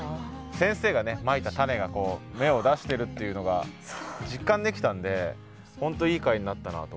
先生がねまいた種がこう芽を出してるっていうのが実感できたんで本当いい回になったなと思いましたね。